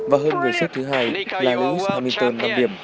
và hơn người xuất thứ hai là lewis hamilton năm điểm